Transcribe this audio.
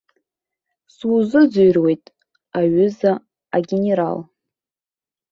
Сузыӡырҩуеит, аҩыза агенерал!